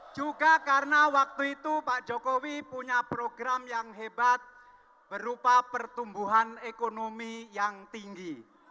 juga karena waktu itu pak jokowi punya program yang hebat berupa pertumbuhan ekonomi yang tinggi